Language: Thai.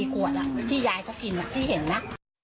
๔ขวดที่ยายก็กินพี่เห็นนะ